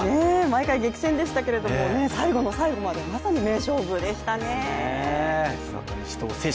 毎回激戦でしたけれども最後の最後までまさに名勝負でしたね。